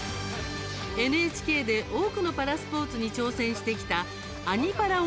ＮＨＫで多くのパラスポーツに挑戦してきた「アニ×パラ」